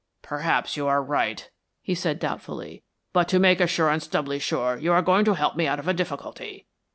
"Perhaps you are right," he said doubtfully. "But to make assurance doubly sure you are going to help me out of a difficulty.